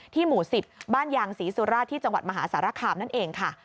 หมู่๑๐บ้านยางศรีสุราชที่จังหวัดมหาสารคามนั่นเองค่ะ